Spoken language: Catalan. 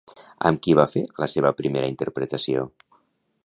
Amb qui va fer la seva primera interpretació?